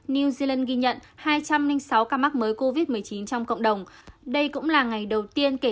new zealand ghi nhận hai trăm linh sáu ca mắc mới covid một mươi chín trong cộng đồng đây cũng là ngày đầu tiên kể